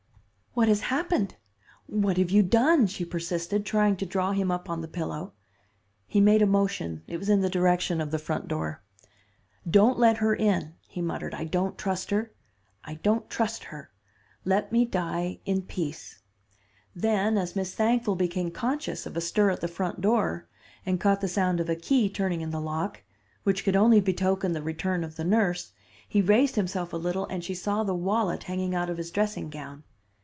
"'What has happened? What have you done?' she persisted, trying to draw him up on the pillow. He made a motion. It was in the direction of the front door. 'Don't let her in,' he muttered. 'I don't trust her, I don't trust her. Let me die in peace.' Then, as Miss Thankful became conscious of a stir at the front door, and caught the sound of a key turning in the lock, which could only betoken the return of the nurse, he raised himself a little and she saw the wallet hanging out of his dressing gown.